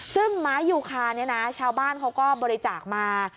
ซึ่งไม้ยูคาเนี่ยนะชาวบ้านเขาก็บริจาคมา